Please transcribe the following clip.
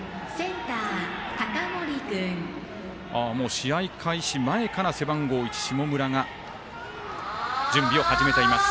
試合開始前から背番号１、下村が準備を始めています。